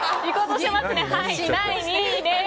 第２位です。